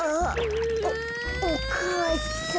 おお母さん。